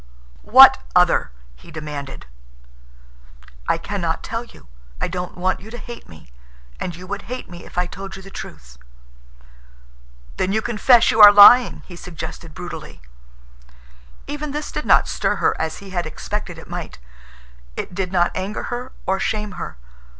"What other?" he demanded. "I can not tell you. I don't want you to hate me. And you would hate me if I told you the truth." "Then you confess you are lying," he suggested brutally. Even this did not stir her as he had expected it might. It did not anger her or shame her.